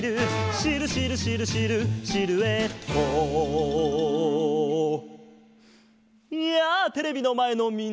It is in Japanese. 「シルシルシルシルシルエット」やあテレビのまえのみんな！